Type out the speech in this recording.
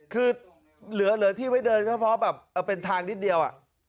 คือเหลือที่ไว้เดินเฉพาะแบบเป็นทางนิดเดียว